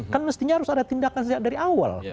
kan mestinya harus ada tindakan dari awal